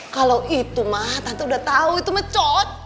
kalo itu mah tante udah tau itu mah cocok